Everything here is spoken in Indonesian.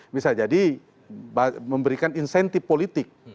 bisa jadi memberikan insentif politik